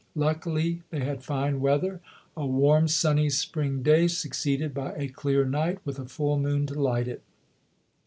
Luckily they had fine weather — a warm, sunny, spring day, succeeded by a clear night with a full moon to light it.